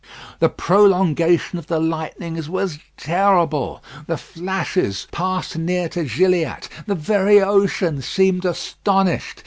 The prolongation of the lightnings was terrible; the flashes passed near to Gilliatt. The very ocean seemed astonished.